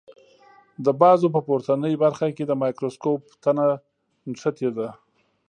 د بازو په پورتنۍ برخه کې د مایکروسکوپ تنه نښتې ده.